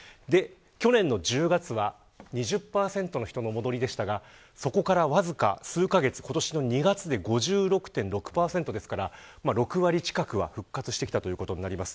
去年の１０月は２０％の人の戻りでしたがそこからわずか数カ月今年の２月で５６．６％ですから６割近くは復活してきたということになります。